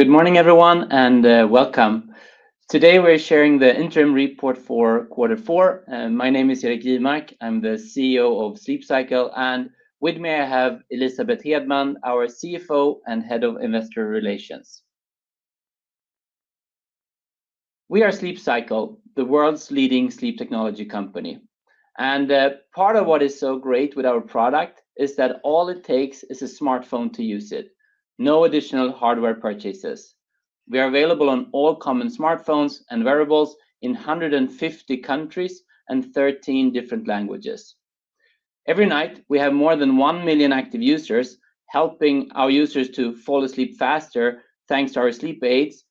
Good morning, everyone, and welcome. Today we're sharing the interim report for Q4. My name is Erik Jivmark. I'm the CEO of Sleep Cycle, and with me I have Elisabeth Hedman, our CFO and head of investor relations. We are Sleep Cycle, the world's leading sleep technology company. Part of what is so great with our product is that all it takes is a smartphone to use it. No additional hardware purchases. We are available on all common smartphones and wearables in 150 countries and 13 different languages. Every night, we have more than 1 million active users, helping our users to fall asleep faster thanks to our sleep aids,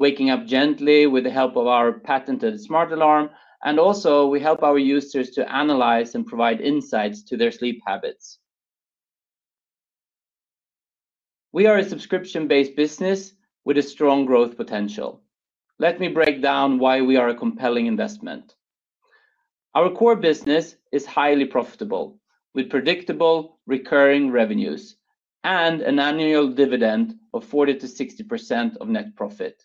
waking up gently with the help of our patented smart alarm. We also help our users to analyze and provide insights to their sleep habits. We are a subscription-based business with a strong growth potential. Let me break down why we are a compelling investment. Our core business is highly profitable with predictable recurring revenues and an annual dividend of 40%-60% of net profit.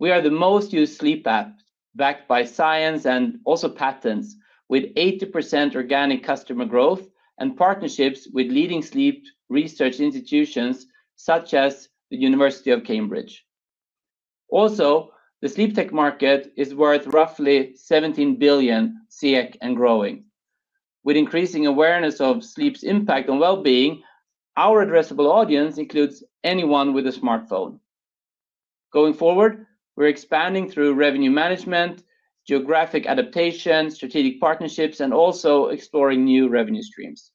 We are the most used sleep app backed by science and also patents, with 80% organic customer growth and partnerships with leading sleep research institutions such as the University of Cambridge. Also, the sleep tech market is worth roughly $17 billion USD and growing. With increasing awareness of sleep's impact on well-being, our addressable audience includes anyone with a smartphone. Going forward, we're expanding through revenue management, geographic adaptation, strategic partnerships, and also exploring new revenue streams.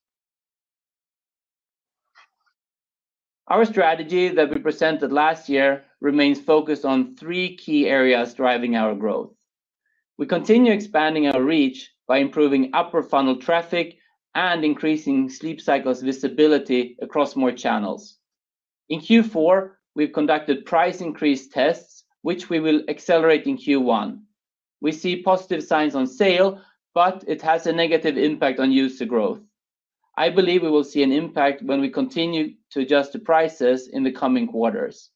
Our strategy that we presented last year remains focused on three key areas driving our growth. We continue expanding our reach by improving upper funnel traffic and increasing Sleep Cycle's visibility across more channels. In Q4, we've conducted price increase tests, which we will accelerate in Q1. We see positive signs on sales, but it has a negative impact on user growth. I believe we will see an impact when we continue to adjust the prices in the coming quarters.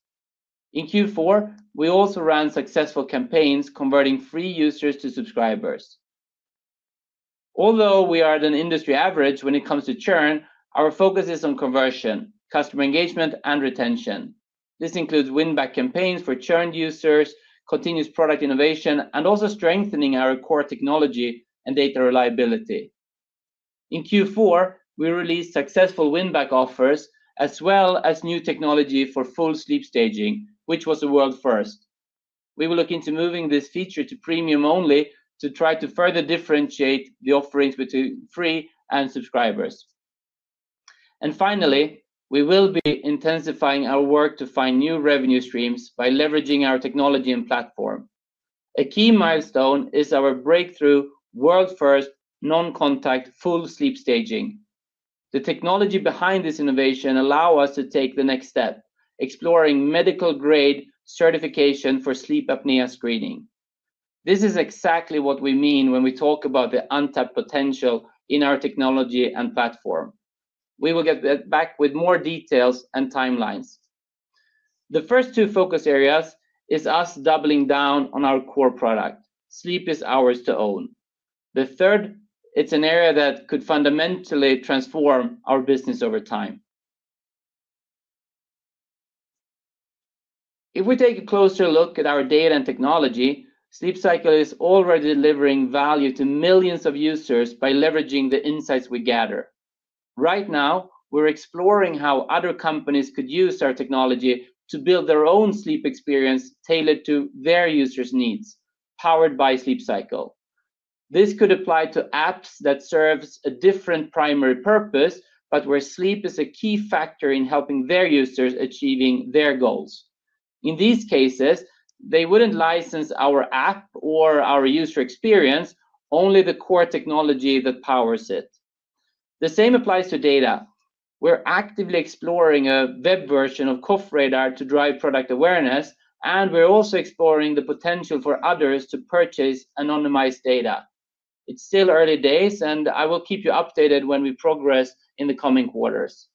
In Q4, we also ran successful campaigns converting free users to subscribers. Although we are at an industry average when it comes to churn, our focus is on conversion, customer engagement, and retention. This includes win-back campaigns for churned users, continuous product innovation, and also strengthening our core technology and data reliability. In Q4, we released successful win-back offers as well as new technology for full sleep staging, which was a world first. We will look into moving this feature to Premium only to try to further differentiate the offerings between free and subscribers. Finally, we will be intensifying our work to find new revenue streams by leveraging our technology and platform. A key milestone is our breakthrough world-first non-contact full sleep staging. The technology behind this innovation allows us to take the next step, exploring medical-grade certification for sleep apnea screening. This is exactly what we mean when we talk about the untapped potential in our technology and platform. We will get back with more details and timelines. The first two focus areas are us doubling down on our core product. Sleep is ours to own. The third, it's an area that could fundamentally transform our business over time. If we take a closer look at our data and technology, Sleep Cycle is already delivering value to millions of users by leveraging the insights we gather. Right now, we're exploring how other companies could use our technology to build their own sleep experience tailored to their users' needs, powered by Sleep Cycle. This could apply to apps that serve a different primary purpose, but where sleep is a key factor in helping their users achieve their goals. In these cases, they wouldn't license our app or our user experience, only the core technology that powers it. The same applies to data. We're actively exploring a web version of Cough Radar to drive product awareness, and we're also exploring the potential for others to purchase anonymized data. It's still early days, and I will keep you updated when we progress in the coming quarters.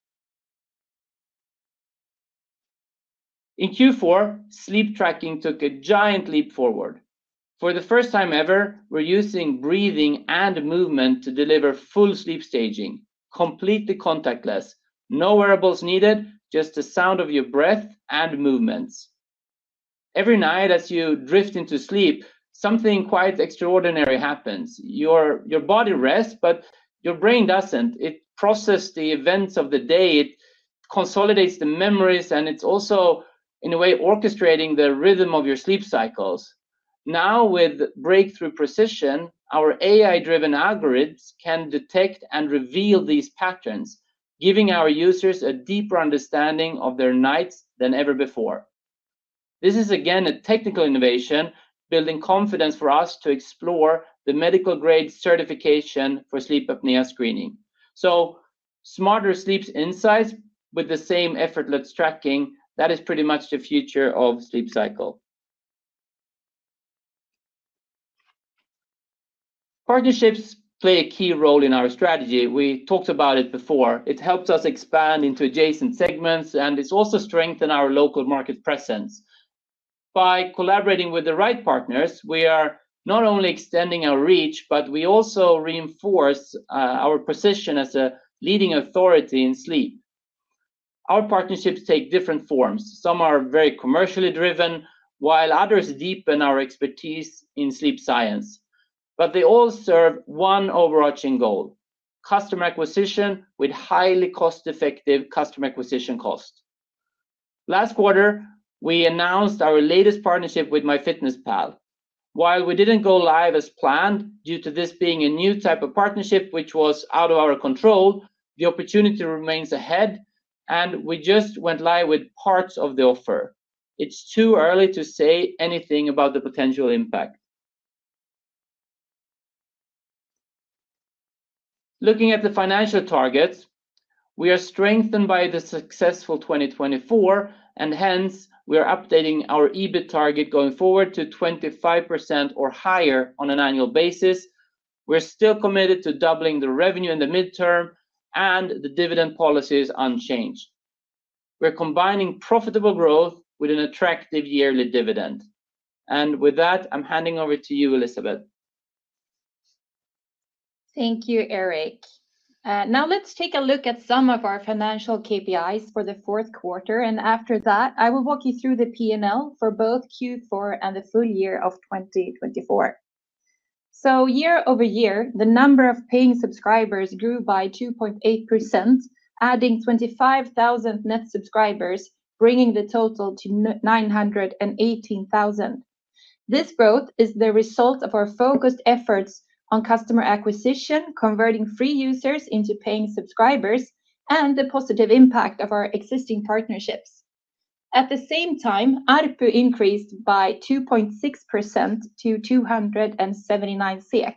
In Q4, sleep tracking took a giant leap forward. For the first time ever, we're using breathing and movement to deliver full sleep staging, completely contactless, no wearables needed, just the sound of your breath and movements. Every night, as you drift into sleep, something quite extraordinary happens. Your body rests, but your brain doesn't. It processes the events of the day. It consolidates the memories, and it's also, in a way, orchestrating the rhythm of your sleep cycles. Now, with breakthrough precision, our AI-driven algorithms can detect and reveal these patterns, giving our users a deeper understanding of their nights than ever before. This is, again, a technical innovation building confidence for us to explore the medical-grade certification for sleep apnea screening. So, smarter sleep insights with the same effortless tracking, that is pretty much the future of Sleep Cycle. Partnerships play a key role in our strategy. We talked about it before. It helps us expand into adjacent segments, and it's also strengthened our local market presence. By collaborating with the right partners, we are not only extending our reach, but we also reinforce our position as a leading authority in sleep. Our partnerships take different forms. Some are very commercially driven, while others deepen our expertise in sleep science. But they all serve one overarching goal: customer acquisition with highly cost-effective customer acquisition cost. Last quarter, we announced our latest partnership with MyFitnessPal. While we didn't go live as planned due to this being a new type of partnership, which was out of our control, the opportunity remains ahead, and we just went live with parts of the offer. It's too early to say anything about the potential impact. Looking at the financial targets, we are strengthened by the successful 2024, and hence, we are updating our EBIT target going forward to 25% or higher on an annual basis. We're still committed to doubling the revenue in the midterm and the dividend policies unchanged. We're combining profitable growth with an attractive yearly dividend. And with that, I'm handing over to you, Elisabeth. Thank you, Erik. Now, let's take a look at some of our financial KPIs for the fourth quarter, and after that, I will walk you through the P&L for both Q4 and the full year of 2024, so year over year, the number of paying subscribers grew by 2.8%, adding 25,000 net subscribers, bringing the total to 918,000. This growth is the result of our focused efforts on customer acquisition, converting free users into paying subscribers, and the positive impact of our existing partnerships. At the same time, ARPU increased by 2.6% to 279 SEK.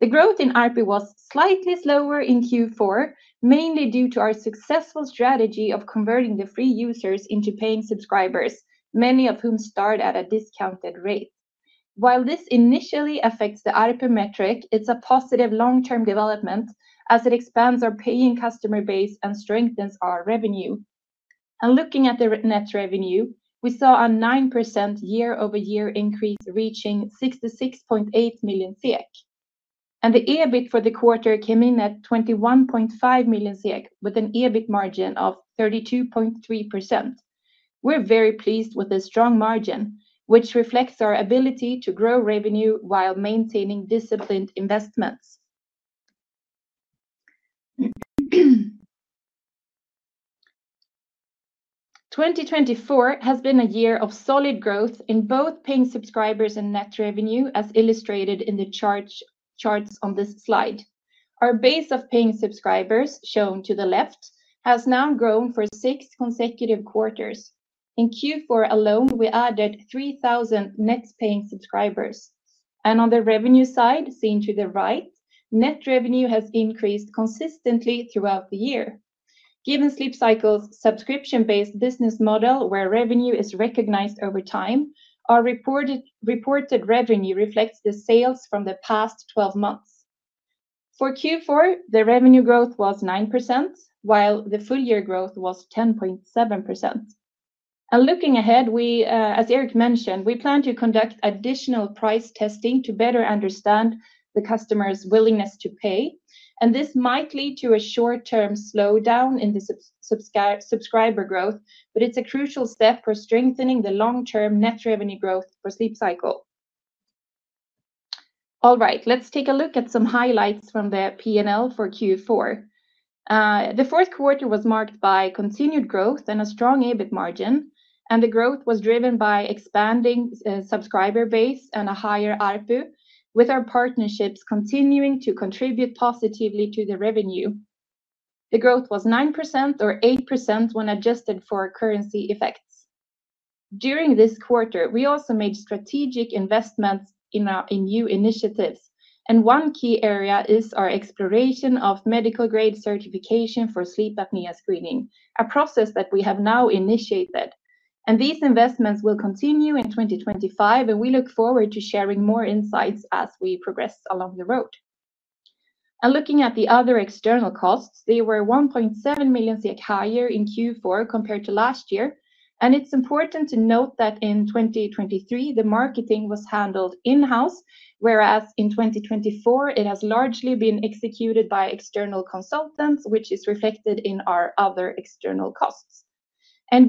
The growth in ARPU was slightly slower in Q4, mainly due to our successful strategy of converting the free users into paying subscribers, many of whom start at a discounted rate. While this initially affects the ARPU metric, it's a positive long-term development as it expands our paying customer base and strengthens our revenue. Looking at the net revenue, we saw a 9% year-over-year increase reaching 66.8 million SEK. The EBIT for the quarter came in at 21.5 million SEK with an EBIT margin of 32.3%. We're very pleased with the strong margin, which reflects our ability to grow revenue while maintaining disciplined investments. 2024 has been a year of solid growth in both paying subscribers and net revenue, as illustrated in the charts on this slide. Our base of paying subscribers, shown to the left, has now grown for six consecutive quarters. In Q4 alone, we added 3,000 net paying subscribers. On the revenue side, seen to the right, net revenue has increased consistently throughout the year. Given Sleep Cycle's subscription-based business model, where revenue is recognized over time, our reported revenue reflects the sales from the past 12 months. For Q4, the revenue growth was 9%, while the full-year growth was 10.7%, and looking ahead, as Erik mentioned, we plan to conduct additional price testing to better understand the customer's willingness to pay, and this might lead to a short-term slowdown in the subscriber growth, but it's a crucial step for strengthening the long-term net revenue growth for Sleep Cycle. All right, let's take a look at some highlights from the P&L for Q4. The fourth quarter was marked by continued growth and a strong EBIT margin, and the growth was driven by expanding subscriber base and a higher ARPU, with our partnerships continuing to contribute positively to the revenue. The growth was 9% or 8% when adjusted for currency effects. During this quarter, we also made strategic investments in new initiatives. One key area is our exploration of medical-grade certification for sleep apnea screening, a process that we have now initiated. These investments will continue in 2025, and we look forward to sharing more insights as we progress along the road. Looking at the other external costs, they were 1.7 million SEK higher in Q4 compared to last year. It's important to note that in 2023, the marketing was handled in-house, whereas in 2024, it has largely been executed by external consultants, which is reflected in our other external costs.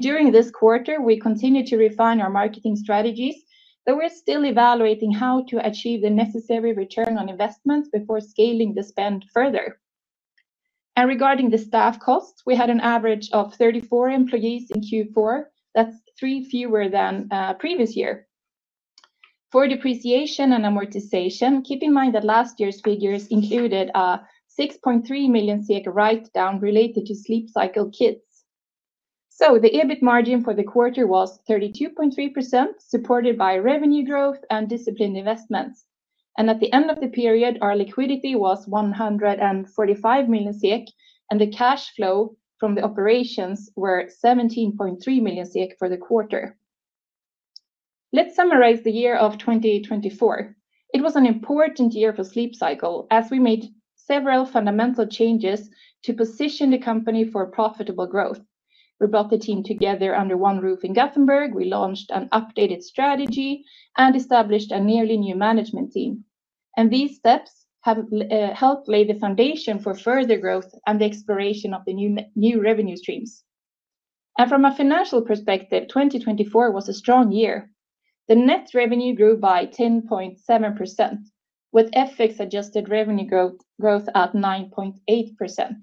During this quarter, we continue to refine our marketing strategies, though we're still evaluating how to achieve the necessary return on investment before scaling the spend further. Regarding the staff costs, we had an average of 34 employees in Q4. That's three fewer than the previous year. For depreciation and amortization, keep in mind that last year's figures included a 6.3 million write-down related to Sleep Cycle Kids. So, the EBIT margin for the quarter was 32.3%, supported by revenue growth and disciplined investments. And at the end of the period, our liquidity was 145 million SEK, and the cash flow from the operations was 17.3 million SEK for the quarter. Let's summarize the year of 2024. It was an important year for Sleep Cycle, as we made several fundamental changes to position the company for profitable growth. We brought the team together under one roof in Gothenburg. We launched an updated strategy and established a nearly new management team. And these steps have helped lay the foundation for further growth and the exploration of the new revenue streams. And from a financial perspective, 2024 was a strong year. The net revenue grew by 10.7%, with FX-adjusted revenue growth at 9.8%.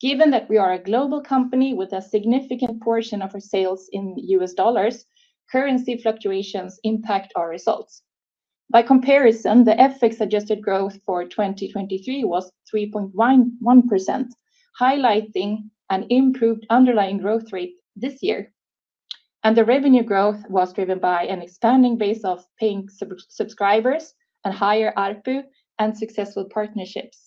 Given that we are a global company with a significant portion of our sales in U.S. dollars, currency fluctuations impact our results. By comparison, the FX-adjusted growth for 2023 was 3.1%, highlighting an improved underlying growth rate this year, and the revenue growth was driven by an expanding base of paying subscribers, a higher ARPU, and successful partnerships.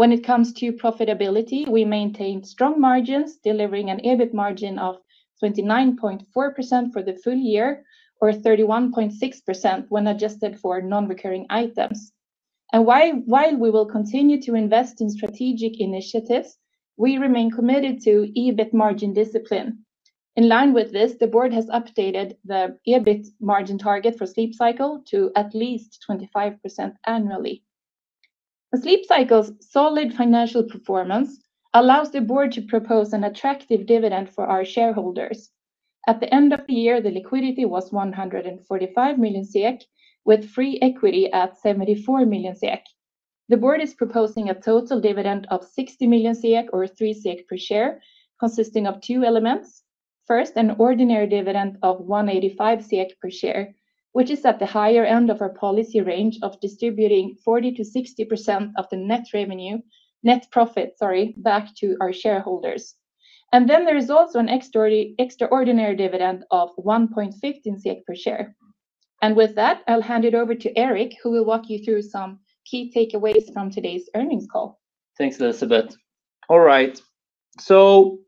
When it comes to profitability, we maintained strong margins, delivering an EBIT margin of 29.4% for the full year, or 31.6% when adjusted for non-recurring items, and while we will continue to invest in strategic initiatives, we remain committed to EBIT margin discipline. In line with this, the board has updated the EBIT margin target for Sleep Cycle to at least 25% annually. Sleep Cycle's solid financial performance allows the board to propose an attractive dividend for our shareholders. At the end of the year, the liquidity was 145 million, with free equity at 74 million. The board is proposing a total dividend of 60 million, or 3 SEK per share, consisting of two elements. First, an ordinary dividend of 1.85 SEK per share, which is at the higher end of our policy range of distributing 40%-60% of the net profit back to our shareholders. And then there is also an extraordinary dividend of 1.15 SEK per share. And with that, I'll hand it over to Erik, who will walk you through some key takeaways from today's earnings call. Thanks, Elisabeth. All right. So,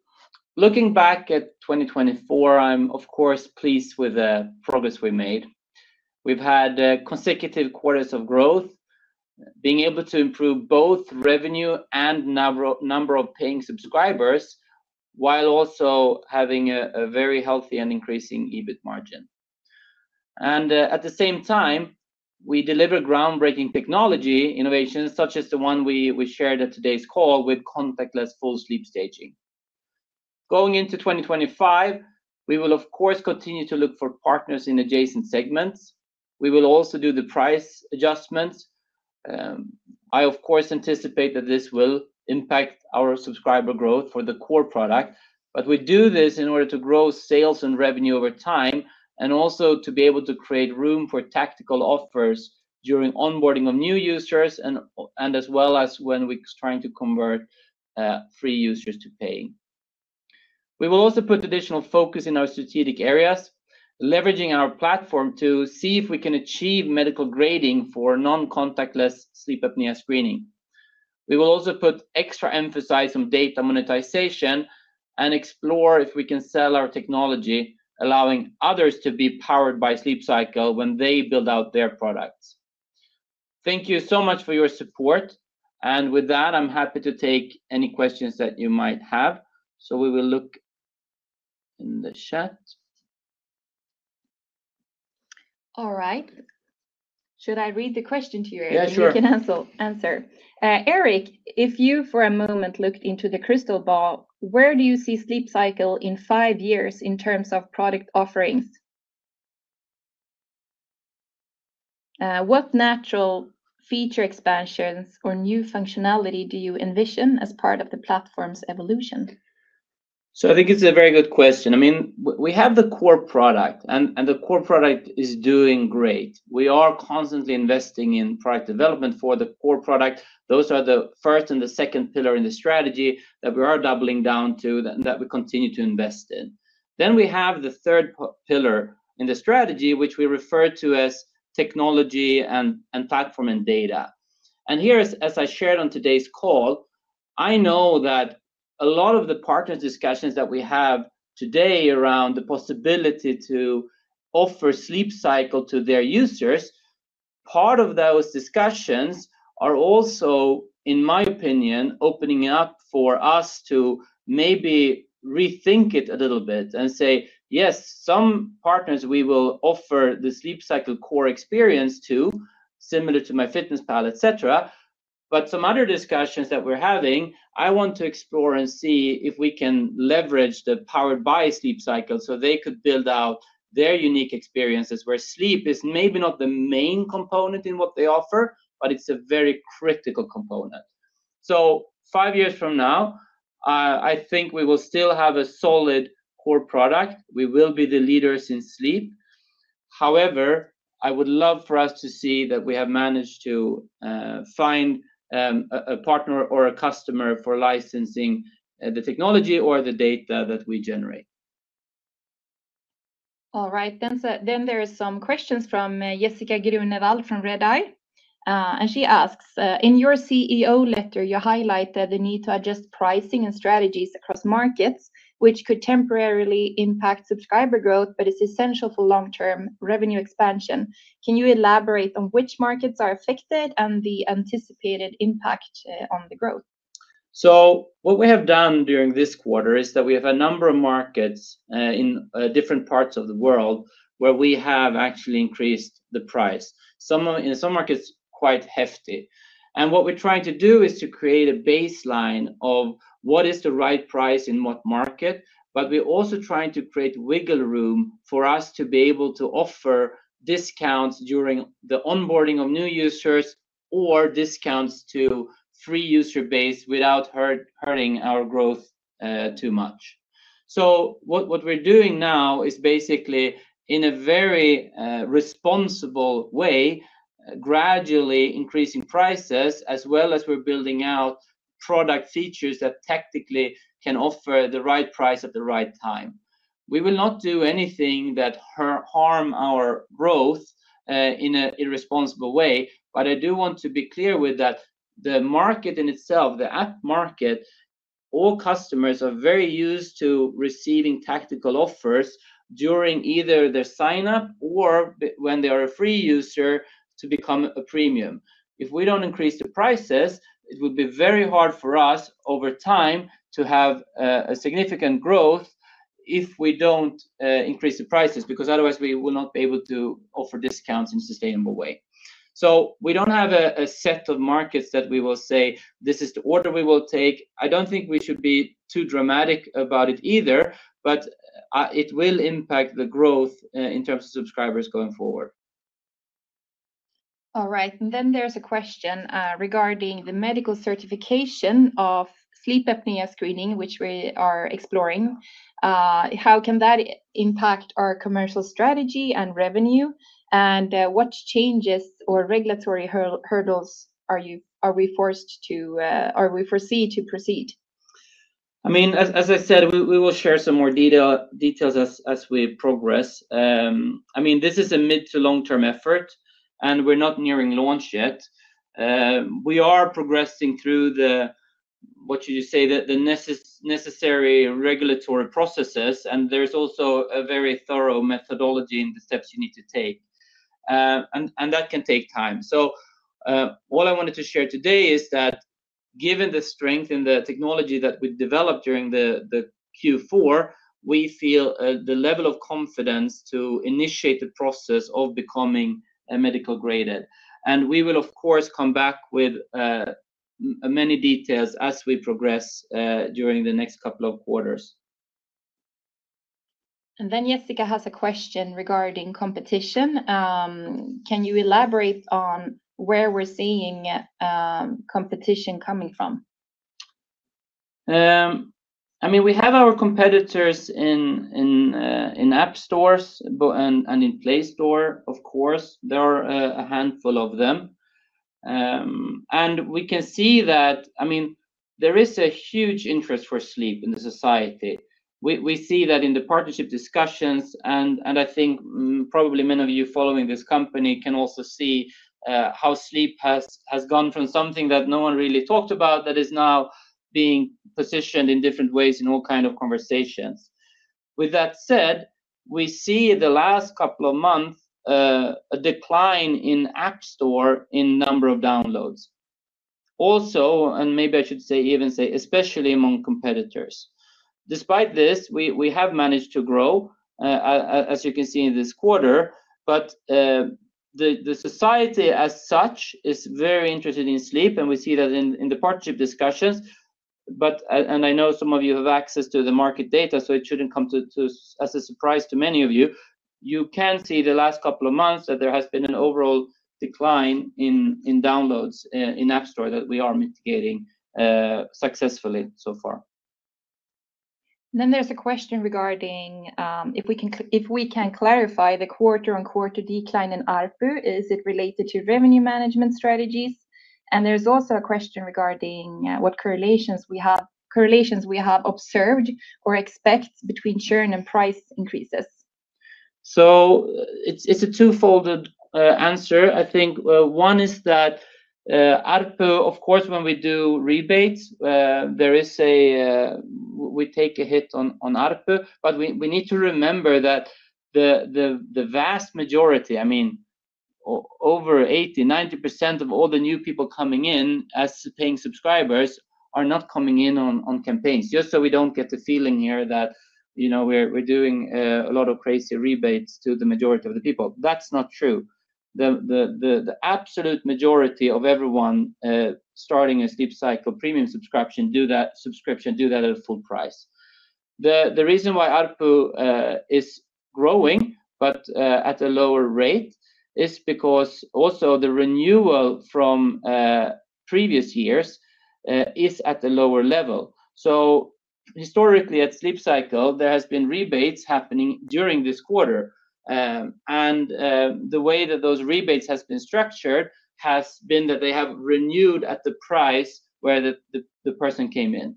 looking back at 2024, I'm, of course, pleased with the progress we made. We've had consecutive quarters of growth, being able to improve both revenue and number of paying subscribers, while also having a very healthy and increasing EBIT margin. And at the same time, we deliver groundbreaking technology innovations, such as the one we shared at today's call, with contactless full sleep staging. Going into 2025, we will, of course, continue to look for partners in adjacent segments. We will also do the price adjustments. I, of course, anticipate that this will impact our subscriber growth for the core product. But we do this in order to grow sales and revenue over time, and also to be able to create room for tactical offers during onboarding of new users, and as well as when we're trying to convert free users to paying. We will also put additional focus in our strategic areas, leveraging our platform to see if we can achieve medical-grade for non-contact sleep apnea screening. We will also put extra emphasis on data monetization and explore if we can sell our technology, allowing others to be powered by Sleep Cycle when they build out their products. Thank you so much for your support. And with that, I'm happy to take any questions that you might have. So, we will look in the chat. All right. Should I read the question to you, Erik, so you can answer? Yeah, sure. Erik, if you for a moment looked into the crystal ball, where do you see Sleep Cycle in five years in terms of product offerings? What natural feature expansions or new functionality do you envision as part of the platform's evolution? I think it's a very good question. I mean, we have the core product, and the core product is doing great. We are constantly investing in product development for the core product. Those are the first and the second pillar in the strategy that we are doubling down to and that we continue to invest in. Then we have the third pillar in the strategy, which we refer to as technology and platform and data. And here, as I shared on today's call, I know that a lot of the partner discussions that we have today around the possibility to offer Sleep Cycle to their users, part of those discussions are also, in my opinion, opening up for us to maybe rethink it a little bit and say, yes, some partners we will offer the Sleep Cycle core experience to, similar to MyFitnessPal, et cetera. Some other discussions that we're having, I want to explore and see if we can leverage the Powered by Sleep Cycle so they could build out their unique experiences, where sleep is maybe not the main component in what they offer, but it's a very critical component. So, five years from now, I think we will still have a solid core product. We will be the leaders in sleep. However, I would love for us to see that we have managed to find a partner or a customer for licensing the technology or the data that we generate. All right. Then there are some questions from Jessica Grünewald from Redeye. And she asks, in your CEO letter, you highlight the need to adjust pricing and strategies across markets, which could temporarily impact subscriber growth, but it's essential for long-term revenue expansion. Can you elaborate on which markets are affected and the anticipated impact on the growth? So, what we have done during this quarter is that we have a number of markets in different parts of the world where we have actually increased the price. In some markets, quite hefty. And what we're trying to do is to create a baseline of what is the right price in what market, but we're also trying to create wiggle room for us to be able to offer discounts during the onboarding of new users or discounts to free user base without hurting our growth too much. So, what we're doing now is basically, in a very responsible way, gradually increasing prices, as well as we're building out product features that tactically can offer the right price at the right time. We will not do anything that harms our growth in an irresponsible way. But I do want to be clear with that the market in itself, the app market, all customers are very used to receiving tactical offers during either their sign-up or when they are a free user to become a Premium. If we don't increase the prices, it would be very hard for us over time to have a significant growth if we don't increase the prices, because otherwise we will not be able to offer discounts in a sustainable way. So, we don't have a set of markets that we will say, this is the order we will take. I don't think we should be too dramatic about it either, but it will impact the growth in terms of subscribers going forward. All right. And then there's a question regarding the medical certification of sleep apnea screening, which we are exploring. How can that impact our commercial strategy and revenue, and what changes or regulatory hurdles do we foresee to proceed? I mean, as I said, we will share some more details as we progress. I mean, this is a mid to long-term effort, and we're not nearing launch yet. We are progressing through the, what should you say, the necessary regulatory processes, and there's also a very thorough methodology in the steps you need to take. And that can take time. So, all I wanted to share today is that given the strength in the technology that we developed during the Q4, we feel the level of confidence to initiate the process of becoming medical-grade. And we will, of course, come back with many details as we progress during the next couple of quarters. And then Jessica has a question regarding competition. Can you elaborate on where we're seeing competition coming from? I mean, we have our competitors in App Stores and in Play Store, of course. There are a handful of them, and we can see that, I mean, there is a huge interest for sleep in the society. We see that in the partnership discussions, and I think probably many of you following this company can also see how sleep has gone from something that no one really talked about that is now being positioned in different ways in all kinds of conversations. With that said, we see in the last couple of months a decline in App Store in number of downloads. Also, and maybe I should say even say, especially among competitors. Despite this, we have managed to grow, as you can see in this quarter, but the society as such is very interested in sleep, and we see that in the partnership discussions. I know some of you have access to the market data, so it shouldn't come as a surprise to many of you. You can see the last couple of months that there has been an overall decline in downloads in App Store that we are mitigating successfully so far. Then there's a question regarding if we can clarify the quarter-on-quarter decline in ARPU, is it related to revenue management strategies? And there's also a question regarding what correlations we have observed or expect between churn and price increases. It's a twofold answer. I think one is that ARPU, of course, when we do rebates, there is a, we take a hit on ARPU. But we need to remember that the vast majority, I mean, over 80%, 90% of all the new people coming in as paying subscribers are not coming in on campaigns. Just so we don't get the feeling here that, you know, we're doing a lot of crazy rebates to the majority of the people. That's not true. The absolute majority of everyone starting a Sleep Cycle Premium subscription do that subscription, do that at a full price. The reason why ARPU is growing, but at a lower rate, is because also the renewal from previous years is at a lower level. Historically, at Sleep Cycle, there have been rebates happening during this quarter. And the way that those rebates have been structured has been that they have renewed at the price where the person came in.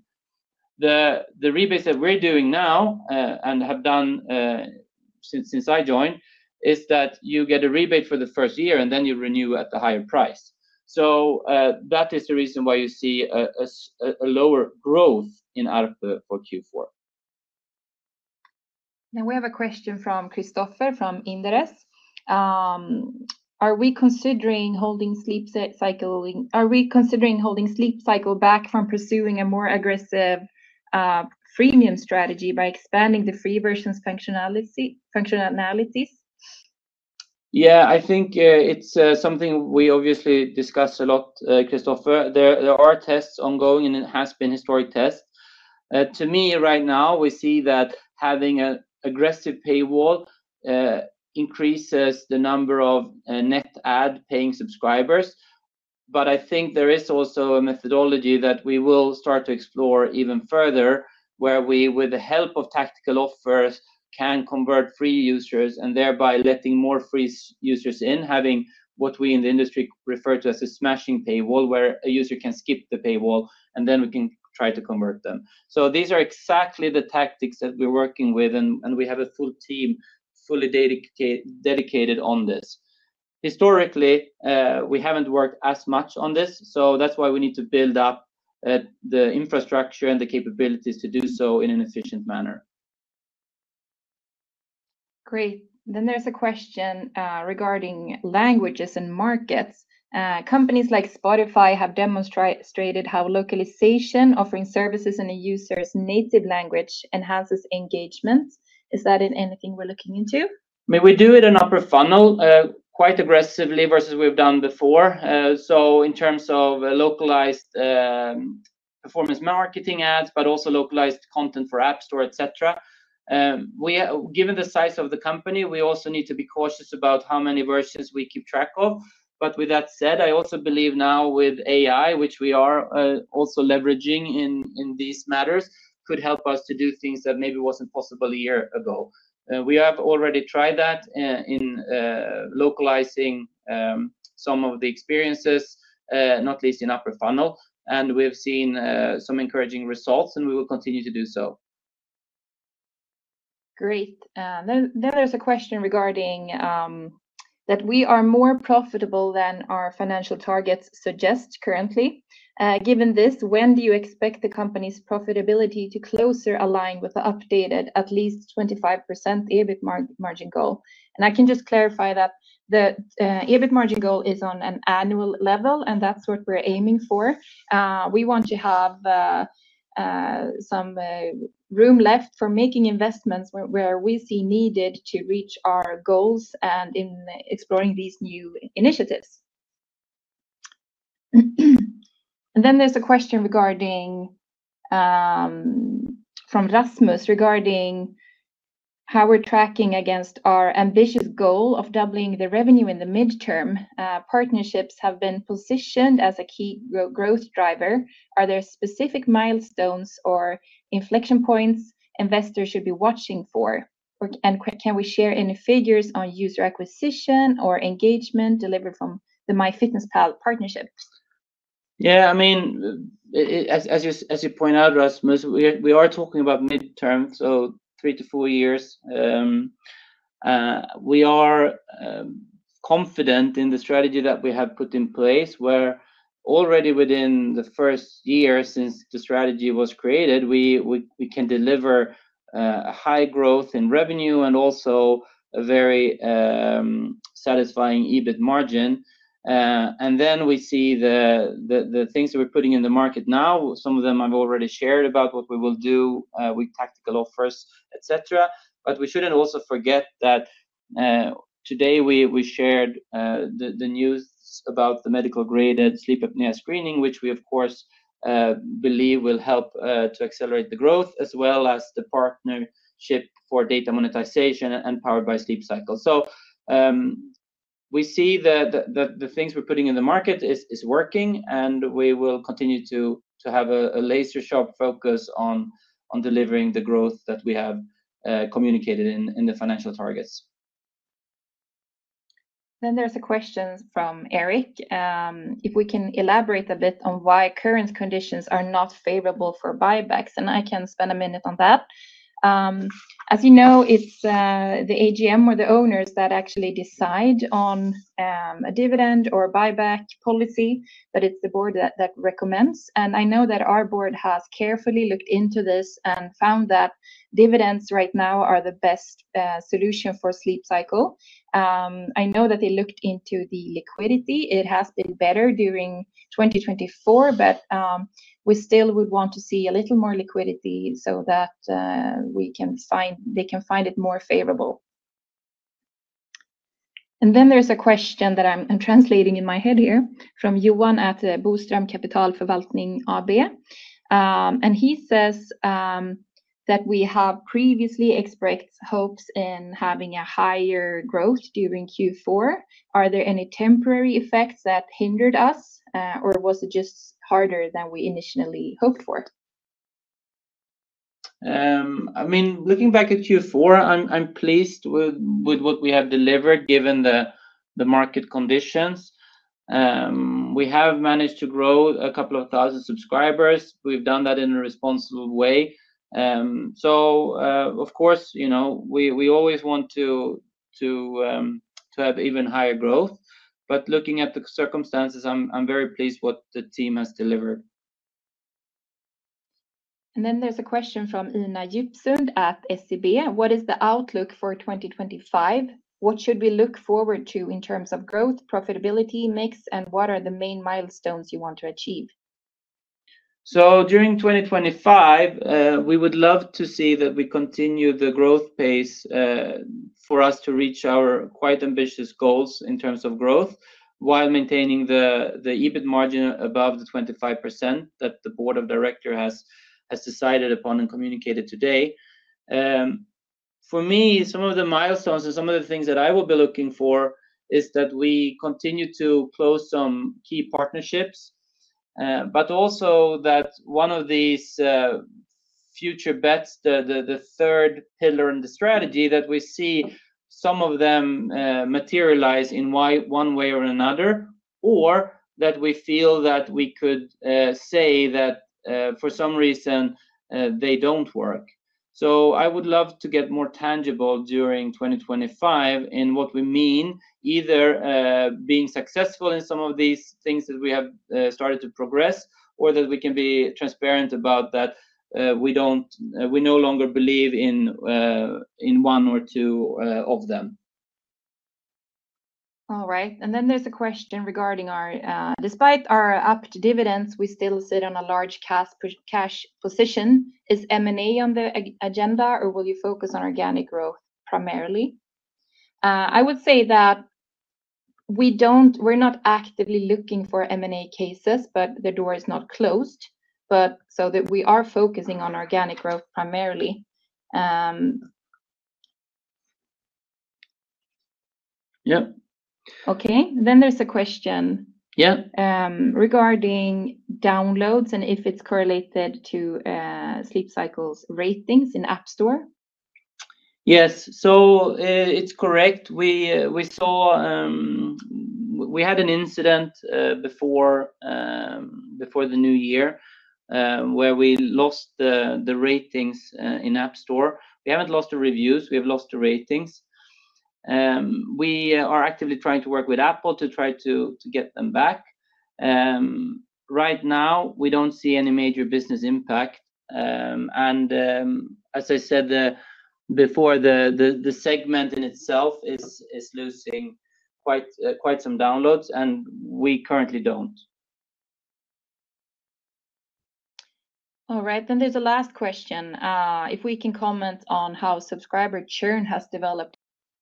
The rebates that we're doing now and have done since I joined, is that you get a rebate for the first year, and then you renew at the higher price. So, that is the reason why you see a lower growth in ARPU for Q4. Now, we have a question from Kristoffer from Inderes. Are we considering holding Sleep Cycle back from pursuing a more aggressive freemium strategy by expanding the free version's functionalities? Yeah, I think it's something we obviously discuss a lot, Kristoffer. There are tests ongoing, and it has been historic tests. To me, right now, we see that having an aggressive paywall increases the number of net add paying subscribers. But I think there is also a methodology that we will start to explore even further, where we, with the help of tactical offers, can convert free users and thereby letting more free users in, having what we in the industry refer to as a smart paywall, where a user can skip the paywall, and then we can try to convert them. So, these are exactly the tactics that we're working with, and we have a full team fully dedicated on this. Historically, we haven't worked as much on this, so that's why we need to build up the infrastructure and the capabilities to do so in an efficient manner. Great. Then there's a question regarding languages and markets. Companies like Spotify have demonstrated how localization, offering services in a user's native language, enhances engagement. Is that anything we're looking into? I mean, we do it in upper funnel quite aggressively versus we've done before. So, in terms of localized performance marketing ads, but also localized content for App Store, et cetera. Given the size of the company, we also need to be cautious about how many versions we keep track of. But with that said, I also believe now with AI, which we are also leveraging in these matters, could help us to do things that maybe wasn't possible a year ago. We have already tried that in localizing some of the experiences, not least in upper funnel. And we've seen some encouraging results, and we will continue to do so. Great. Then there's a question regarding that we are more profitable than our financial targets suggest currently. Given this, when do you expect the company's profitability to closer align with the updated at least 25% EBIT margin goal? And I can just clarify that the EBIT margin goal is on an annual level, and that's what we're aiming for. We want to have some room left for making investments where we see needed to reach our goals and in exploring these new initiatives. And then there's a question from Rasmus regarding how we're tracking against our ambitious goal of doubling the revenue in the midterm. Partnerships have been positioned as a key growth driver. Are there specific milestones or inflection points investors should be watching for? And can we share any figures on user acquisition or engagement delivered from the MyFitnessPal partnerships? Yeah, I mean, as you point out, Rasmus, we are talking about midterm, so three to four years. We are confident in the strategy that we have put in place, where already within the first year since the strategy was created, we can deliver a high growth in revenue and also a very satisfying EBIT margin, and then we see the things that we're putting in the market now. Some of them I've already shared about what we will do with tactical offers, et cetera, but we shouldn't also forget that today we shared the news about the medical-grade sleep apnea screening, which we, of course, believe will help to accelerate the growth, as well as the partnership for data monetization and powered by Sleep Cycle. So, we see that the things we're putting in the market is working, and we will continue to have a laser-sharp focus on delivering the growth that we have communicated in the financial targets. Then there's a question from Eric. If we can elaborate a bit on why current conditions are not favorable for buybacks, and I can spend a minute on that. As you know, it's the AGM or the owners that actually decide on a dividend or buyback policy, but it's the board that recommends. And I know that our board has carefully looked into this and found that dividends right now are the best solution for Sleep Cycle. I know that they looked into the liquidity. It has been better during 2024, but we still would want to see a little more liquidity so that they can find it more favorable. And then there's a question that I'm translating in my head here from Johan at Boström Capital Förvaltning AB. And he says that we have previously expressed hopes in having a higher growth during Q4. Are there any temporary effects that hindered us, or was it just harder than we initially hoped for? I mean, looking back at Q4, I'm pleased with what we have delivered given the market conditions. We have managed to grow a couple of thousand subscribers. We've done that in a responsible way. So, of course, you know, we always want to have even higher growth. But looking at the circumstances, I'm very pleased with what the team has delivered. Then there's a question from Ina Djupsund at SEB. What is the outlook for 2025? What should we look forward to in terms of growth, profitability mix, and what are the main milestones you want to achieve? So, during 2025, we would love to see that we continue the growth pace for us to reach our quite ambitious goals in terms of growth while maintaining the EBIT margin above the 25% that the board of directors has decided upon and communicated today. For me, some of the milestones and some of the things that I will be looking for is that we continue to close some key partnerships, but also that one of these future bets, the third pillar in the strategy, that we see some of them materialize in one way or another, or that we feel that we could say that for some reason they don't work. I would love to get more tangible during 2025 in what we mean, either being successful in some of these things that we have started to progress, or that we can be transparent about that we no longer believe in one or two of them. All right, and then there's a question regarding our cash position. Despite our dividend payouts, we still sit on a large cash position. Is M&A on the agenda, or will you focus on organic growth primarily? I would say that we're not actively looking for M&A cases, but the door is not closed. But so that we are focusing on organic growth primarily. Yeah. Okay, then there's a question. Yeah. Regarding downloads and if it's correlated to Sleep Cycle's ratings in App Store? Yes. So, it's correct. We had an incident before the new year where we lost the ratings in App Store. We haven't lost the reviews. We have lost the ratings. We are actively trying to work with Apple to try to get them back. Right now, we don't see any major business impact. And as I said before, the segment in itself is losing quite some downloads, and we currently don't. All right. Then there's a last question. If we can comment on how subscriber churn has developed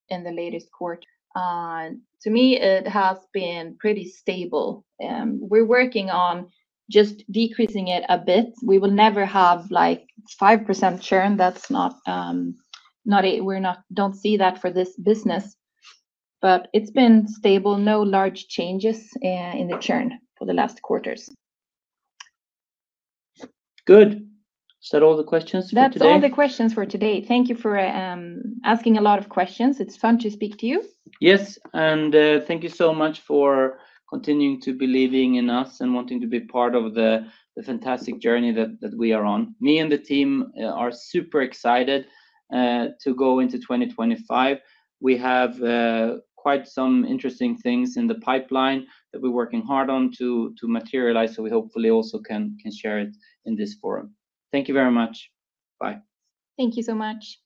in the latest quarter? To me, it has been pretty stable. We're working on just decreasing it a bit. We will never have like 5% churn. We don't see that for this business. But it's been stable. No large changes in the churn for the last quarters. Good. Is that all the questions for today? That's all the questions for today. Thank you for asking a lot of questions. It's fun to speak to you. Yes. And thank you so much for continuing to believe in us and wanting to be part of the fantastic journey that we are on. Me and the team are super excited to go into 2025. We have quite some interesting things in the pipeline that we're working hard on to materialize, so we hopefully also can share it in this forum. Thank you very much. Bye. Thank you so much.